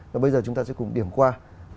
và bây giờ chúng ta sẽ cùng điểm quan